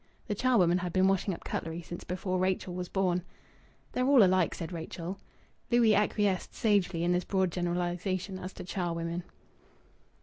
(The charwoman had been washing up cutlery since before Rachel was born.) "They're all alike," said Rachel. Louis acquiesced sagely in this broad generalization as to charwomen.